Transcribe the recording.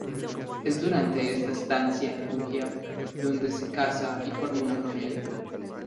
Es durante esta estancia en Bugía donde se casa y forma una familia.